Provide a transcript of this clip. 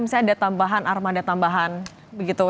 misalnya ada tambahan armada tambahan begitu